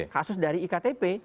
kasus dari iktp